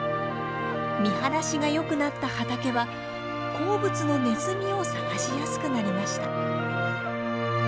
見晴らしがよくなった畑は好物のネズミを探しやすくなりました。